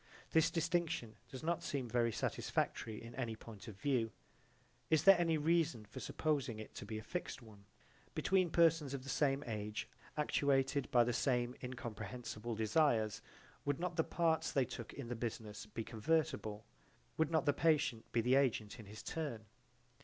This distinction does not seem very satisfactory in any point of view. Is there any reason for supposing it to be a fixed one? Between persons of the same age actuated by the same incomprehensible desires would not the parts they took in the business be convertible? Would not the patient be the agent in his turn?